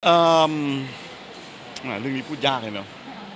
แหมเรื่องนี้พูดยากเลยเนอะ